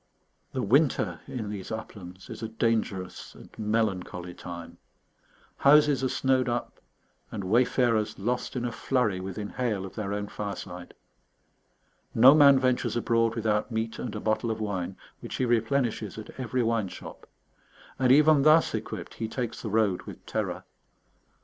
The winter in these uplands is a dangerous and melancholy time. Houses are snowed up, and wayfarers lost in a flurry within hail of their own fireside. No man ventures abroad without meat and a bottle of wine, which he replenishes at every wine shop; and even thus equipped he takes the road with terror.